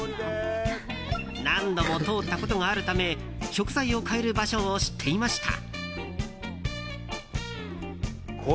何度も通ったことがあるため食材を買える場所を知っていました。